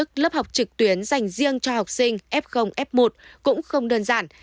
tổ chức lớp học trực tuyến dành riêng cho học sinh f f một cũng không đơn giản